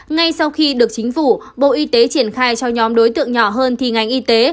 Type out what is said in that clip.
ngay sau khi được chính phủ bộ y tế triển khai cho nhóm đối tượng nhỏ hơn thì ngành y tế